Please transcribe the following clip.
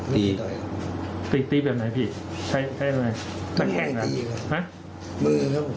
ตีตีแบบไหนพี่ใช้แบบไหนมันแข็งหรือฮะมือ